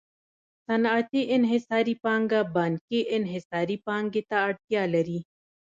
صنعتي انحصاري پانګه بانکي انحصاري پانګې ته اړتیا لري